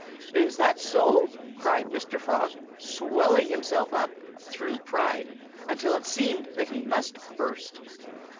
"Is that so?" cried Mr. Frog, swelling himself up through pride until it seemed that he must burst.